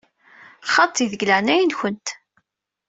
Xaṭi, deg leɛnaya-nkent!